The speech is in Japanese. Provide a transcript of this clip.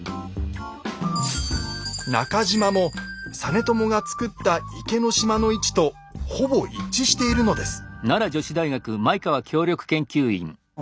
中島も実朝が造った池の島の位置とほぼ一致しているのです。